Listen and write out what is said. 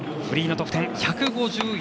フリーの得点、１５４．９５。